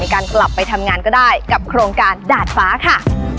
การกลับไปทำงานก็ได้กับโครงการดาดฟ้าค่ะ